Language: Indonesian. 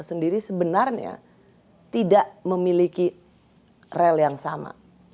sendiri sebenarnya tidak memiliki rel yang sama